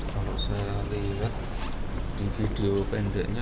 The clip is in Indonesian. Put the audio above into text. kalau saya lihat di video pendeknya